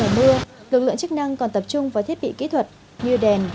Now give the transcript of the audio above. mùa mưa lực lượng chức năng còn tập trung vào thiết bị kỹ thuật như đèn